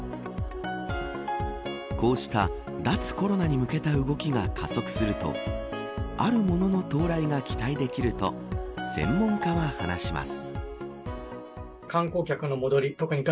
こうした脱コロナに向けた動きが加速するとあるものの到来が期待できると専門家は話します。